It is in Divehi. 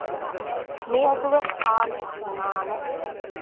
މިއަދުވެސް ސާލިހް ބުނާނެ